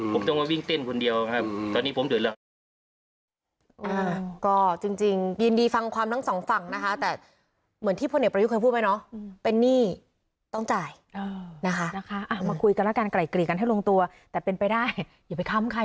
ผมต้องมาวิ่งเต้นคนเดียวครับตอนนี้ผมเดินแล้ว